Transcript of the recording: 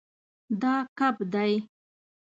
دا کب دی